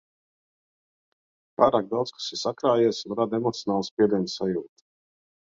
Pārāk daudz kas ir sakrājies un rada emocionālu spiediena sajūtu.